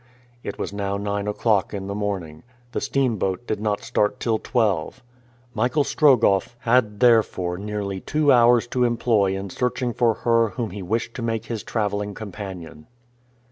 It was now nine o'clock in the morning. The steamboat did not start till twelve. Michael Strogoff had therefore nearly two hours to employ in searching for her whom he wished to make his traveling companion.